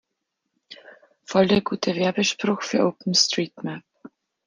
Voll der gute Werbespruch für OpenStreetMap!